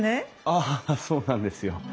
ああそうなんですよ。